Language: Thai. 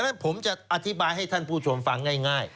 ฉะผมจะอธิบายให้ท่านผู้ชมฟังง่าย